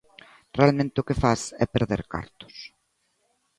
Realmente o que fas é perder cartos.